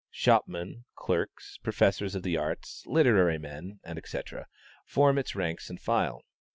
Shopmen, clerks, professors of the arts, literary men, &c., form its rank and file.